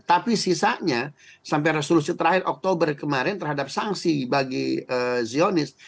tapi sisanya sampai resolusi terakhir oktober kemarin terhadap sanksi bagi zionis